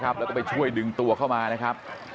อุ้มขึ้นมาจากแม่น้ำนาฬนะฮะ